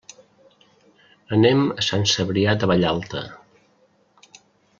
Anem a Sant Cebrià de Vallalta.